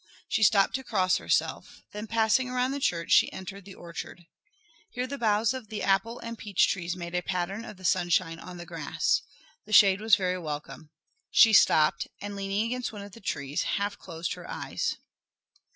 She stopped to cross herself, then passing around the church she entered the orchard. Here the boughs of the apple and peach trees made a pattern of the sunshine on the grass. The shade was very welcome. She stopped, and leaning against one of the trees half closed her eyes.